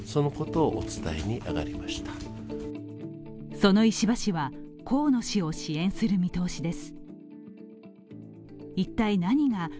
その石破氏は河野氏を支援する見通しです。